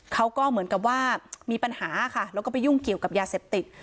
เขาก็เหมือนกับว่ามีปัญหาค่ะแล้วก็ไปยุ่งเกี่ยวกับยาเสพติด